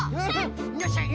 よっしゃ！